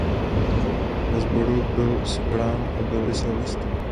Ve sboru byl soprán a byl i sólistou.